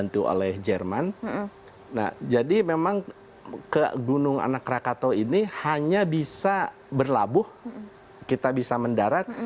nah jadi memang ke gunung anak rakatau ini hanya bisa berlabuh kita bisa mendarat